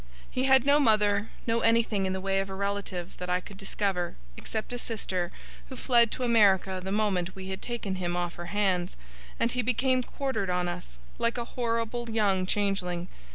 He had no mother no anything in the way of a relative, that I could discover, except a sister, who fled to America the moment we had taken him off her hands; and he became quartered on us like a horrible young changeling.